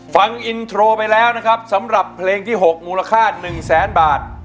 ฟังอินโทรไปแล้วนะครับสำหรับเพลงที่๖มูลค่า๑แสนบาท